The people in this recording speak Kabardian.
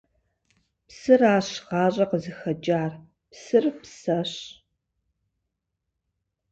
Псыращ ГъащӀэр къызыхэкӀар. Псыр – псэщ!